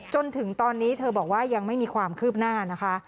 จนถึงตอนนี้เธอบอกว่ายังไม่มีความคืบหน้านะคะ